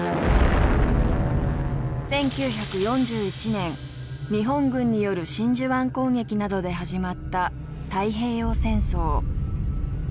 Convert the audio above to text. １９４１年日本軍による真珠湾攻撃などで始まった太平洋戦争。